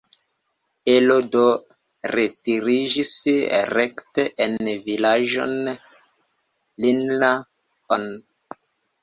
Elo do retiriĝis rekte en vilaĝon Linna-on.